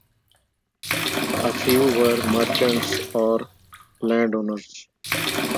A few were merchants or landowners.